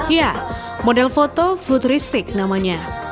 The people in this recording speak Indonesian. ya model foto futuristik namanya